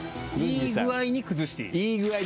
いい具合に崩してます。